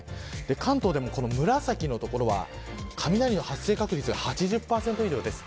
関東でも紫の所は雷の発生確率が８０％以上です。